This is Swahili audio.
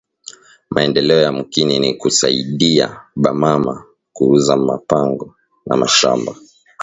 Maendeleo ya mukini ni ku saidiya ba mama ku uza ma mpango na mashamba